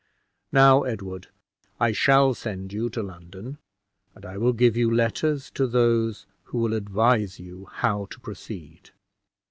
Now, Edward, I shall send you to London, and I will give you letters to those who will advise you how to proceed.